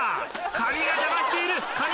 髪が邪魔している！